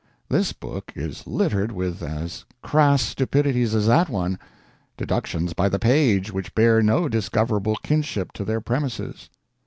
This book is littered with as crass stupidities as that one deductions by the page which bear no discoverable kinship to their premises.